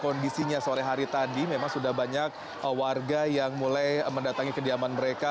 kondisinya sore hari tadi memang sudah banyak warga yang mulai mendatangi kediaman mereka